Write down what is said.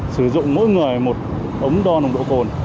sử dụng mỗi người một ống đo nồng độ cồn